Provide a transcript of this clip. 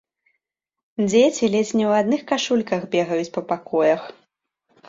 Дзеці ледзь не ў адных кашульках бегаюць па пакоях.